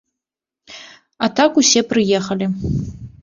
А так усе прыехалі.